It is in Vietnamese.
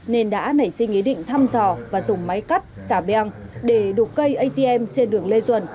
nên đã nảy sinh ý định thăm dò và dùng máy cắt xà beng để đục cây atm trên đường lê duẩn